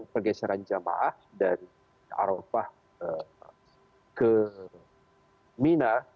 pergeseran jamaah dari arofah ke bina